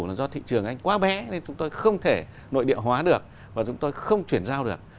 là do thị trường anh quá bé nên chúng tôi không thể nội địa hóa được và chúng tôi không chuyển giao được